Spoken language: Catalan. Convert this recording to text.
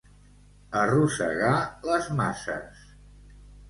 Arrossegar les masses.